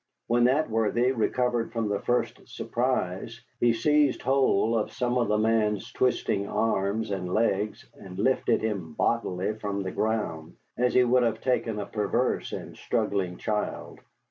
When that worthy recovered from his first surprise he seized hold of some of the man's twisting arms and legs and lifted him bodily from the ground, as he would have taken a perverse and struggling child.